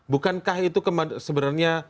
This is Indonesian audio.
bukankah itu sebenarnya